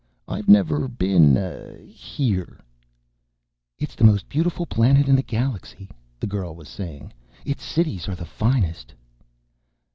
"I've never been, uh, here ..." "It's the most beautiful planet in the galaxy," the girl was saying. "Its cities are the finest."